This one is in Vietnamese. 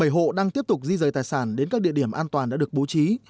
bảy hộ đang tiếp tục di rời tài sản đến các địa điểm an toàn đã được bố trí